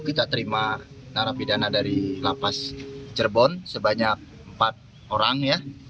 kita terima narapidana dari lapas cirebon sebanyak empat orang ya